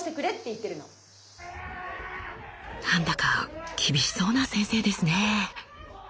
なんだか厳しそうな先生ですね。